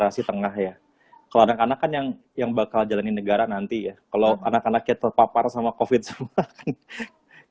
anak anak kan yang yang bakal jalanin negara nanti ya kalau anak anaknya terpapar sama covid semua